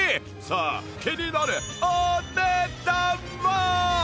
さあ気になるお値段は？